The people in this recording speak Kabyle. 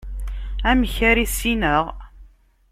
Amak ara issineɣ?